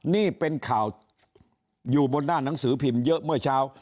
นี่เป็นข่าวอยู่บนหน้าหนังสือพิมพ์เยอะเมื่อเช้า